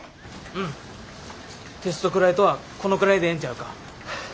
うんテストフライトはこのくらいでええんちゃうか？